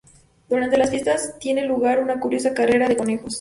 Durante las fiestas tiene lugar una curiosa carrera de conejos.